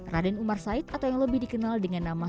raden umar said atau yang lebih dikenal dengan nama